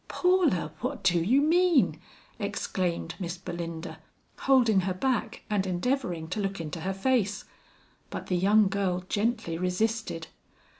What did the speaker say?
"Paula, what do you mean?" exclaimed Miss Belinda, holding her back and endeavoring to look into her face. But the young girl gently resisted.